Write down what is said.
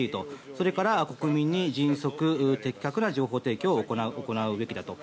それから国民に迅速、的確な情報提供を行うべきだと。